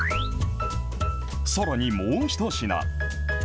さらにもう１品。